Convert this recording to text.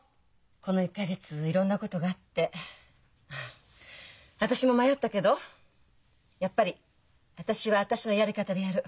この１か月いろんなことがあって私も迷ったけどやっぱり私は私のやり方でやる。